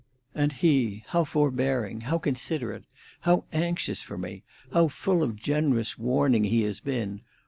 "And he, how forbearing, how considerate, how anxious for me, how full of generous warning he has been!